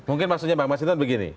mungkin maksudnya pak mas hidat begini